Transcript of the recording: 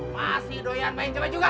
masih doyan main coba juga